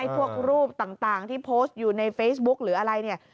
พวกรูปต่างที่โพสต์อยู่ในเฟซบุ๊กหรืออะไรเนี่ย